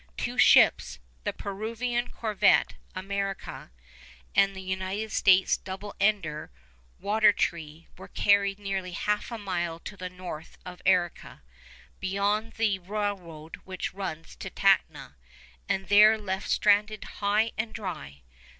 Two ships, the Peruvian corvette 'America' and the United States 'double ender' 'Watertree,' were carried nearly half a mile to the north of Arica, beyond the railroad which runs to Tacna, and there left stranded high and dry.